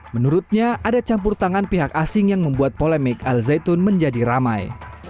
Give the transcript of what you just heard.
menurutnya ada campur tangan pihak asing yang membuat polemik al zaitun menjadi ramai